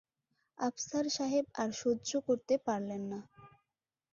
আফসার সাহেব আর সহ্য করতে পারলেন না।